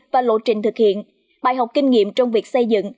và lộ trình thực hiện bài học kinh nghiệm trong việc xây dựng